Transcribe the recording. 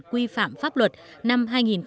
quy phạm pháp luật năm hai nghìn một mươi